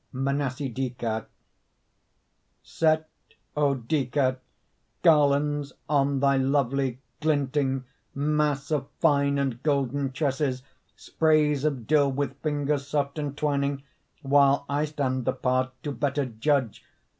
MNASIDICA Set, O Dica, garlands on thy lovely Glinting mass of fine and golden tresses, Sprays of dill with fingers soft entwining While I stand apart to better judge.